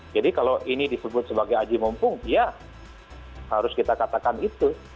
jadi kalau ini disebut sebagai aji mumpung ya harus kita katakan itu